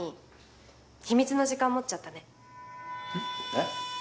えっ？